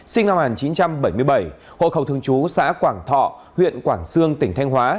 sinh năm một nghìn chín trăm bảy mươi bảy hộ khẩu thường trú xã quảng thọ huyện quảng sương tỉnh thanh hóa